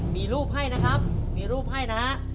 มีรูปให้นะครับมีรูปให้นะฮะ